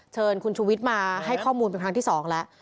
เชิญคุณชูวิทย์มาให้ข้อมูลเป็นครั้งที่๒แล้ว